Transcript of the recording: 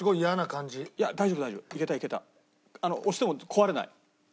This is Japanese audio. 押しても壊れない。